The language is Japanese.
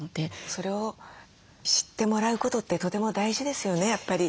それを知ってもらうことってとても大事ですよねやっぱり。